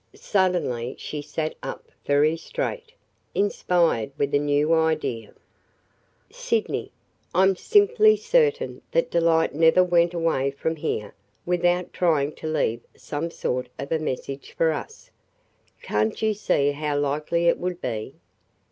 Suddenly she sat up very straight, inspired with a new idea. "Sydney, I 'm simply certain that Delight never went away from here without trying to leave some sort of a message for us! Can't you see how likely it would be?